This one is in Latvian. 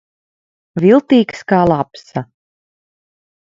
Viltīgs kā lapsa.